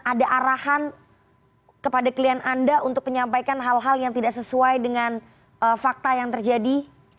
ada arahan kepada klien anda untuk menyampaikan hal hal yang tidak sesuai dengan fakta yang terjadi